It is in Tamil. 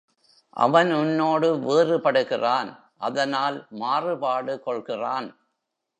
அவன் உன்னோடு வேறுபடுகிறான் அதனால் மாறுபாடு கொள்கிறான்.